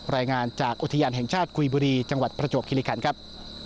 รายงานจากอุทยานแห่งชาติกุยบุรีจังหวัดประจวบคิริคันครับ